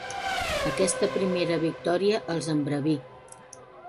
Aquesta primera victòria els embraví.